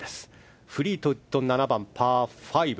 フリートウッド７番、パー５。